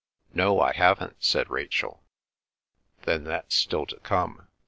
"No, I haven't," said Rachel. "Then that's still to come.